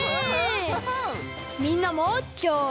みんなもきょう１にち。